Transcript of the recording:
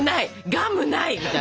ガムない！みたいな。